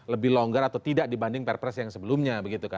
lebih longgar atau tidak dibanding perpres yang sebelumnya